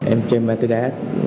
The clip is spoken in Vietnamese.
em chơi ma tùy đá